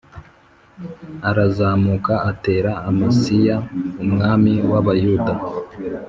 arazamuka atera Amasiya umwami w’Abayuda